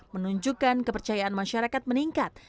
menunjukkan kepercayaan masyarakat meningkat